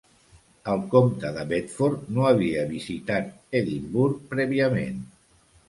El comte de Bedford no havia visitat Edimburg prèviament.